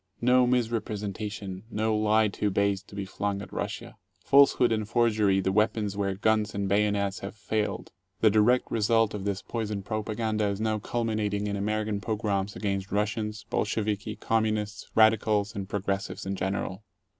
No mis representation, no lie too base to be flung at Russia. Falsehood and forgery the weapons where guns and bayonets have failed. The direct result of this poison propaganda is now culminating in American pogroms against Russians, Bolsheviki, communists, radicals, and progressives in general.